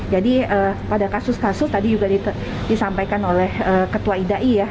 jadi pada kasus kasus tadi juga disampaikan oleh ketua idai ya